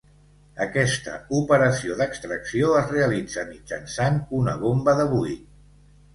Aquesta operació d'extracció es realitza mitjançant una bomba de buit.